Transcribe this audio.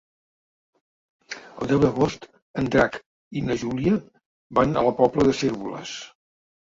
El deu d'agost en Drac i na Júlia van a la Pobla de Cérvoles.